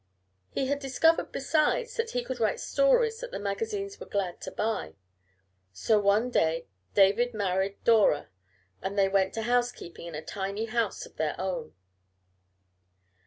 He had discovered besides that he could write stories that the magazines were glad to buy. So one day David married Dora and they went to housekeeping in a tiny house of their own.